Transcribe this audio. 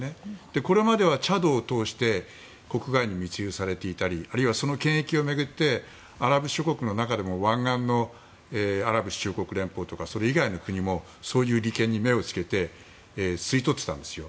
これまでは、チャドを通して国外に密輸されていたりあるいは、その権益を巡ってアラブ諸国の中でも湾岸のアラブ首長国連邦とかそれ以外の国もそういう利権に目をつけて吸い取っていたんですよ。